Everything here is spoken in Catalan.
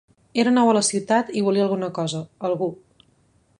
Era nou a la ciutat i volia alguna cosa, algú.